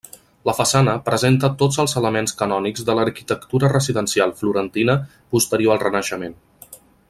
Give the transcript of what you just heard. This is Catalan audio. La façana presenta tots els elements canònics de l'arquitectura residencial florentina posterior al Renaixement.